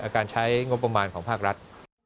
การใช้งบประมาณของภาครัฐ